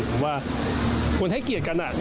เพราะว่าควรให้เกียรติกันน่ะ